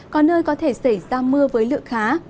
có nơi có thể xảy ra mưa với lượng khá